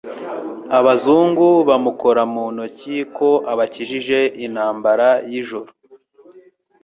abazungu bamukora mu ntoki ko abakijije intambara y'ijoro!!